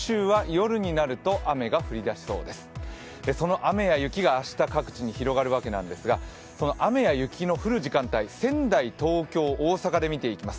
雨や雪が明日、各地に広がるわけなんですが雨や雪の降る時間帯、仙台、東京、大阪で見ていきます。